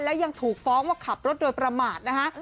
และยังถูกฟ้องว่าขับรถโดยประมาทนะฮะ